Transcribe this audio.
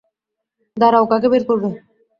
দাঁড়াও, কাকে বের করবে?